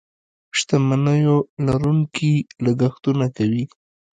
شتمنيو لرونکي لګښتونه کوي.